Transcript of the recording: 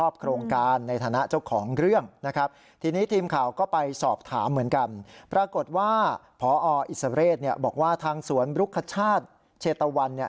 บอกว่าทางสวนบรุษชาติเชตวัน